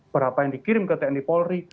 berapa yang dikirim ke tni polri